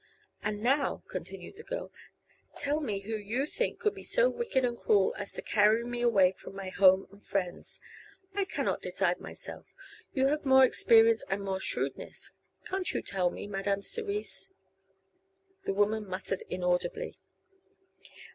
"And now," continued the girl, "tell me who you think could be so wicked and cruel as to carry me away from my home and friends? I cannot decide myself. You have more experience and more shrewdness, can't you tell me, Madame Cerise?" The woman muttered inaudibly.